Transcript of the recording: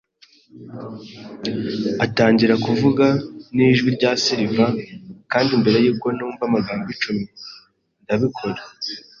atangira kuvuga. Nijwi rya silver, kandi mbere yuko numva amagambo icumi, ndabikora